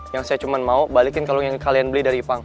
yang saya cuma mau balikin kalau yang kalian beli dari ipang